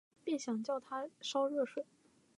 便想叫她去烧热水